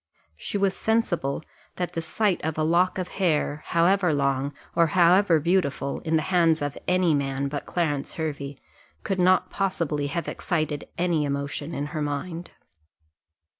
She was sensible that the sight of a lock of hair, however long, or however beautiful, in the hands of any man but Clarence Hervey, could not possibly have excited any emotion in her mind.